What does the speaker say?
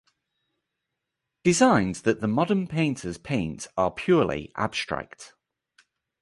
Designs that the modern painters paint are purely abstract.